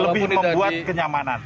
lebih membuat kenyamanan